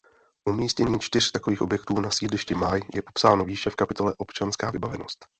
Umístění čtyř takových objektů na sídlišti Máj je popsáno výše v kapitole Občanská vybavenost.